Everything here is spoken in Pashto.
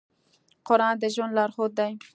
قرآن د ژوند لارښود دی.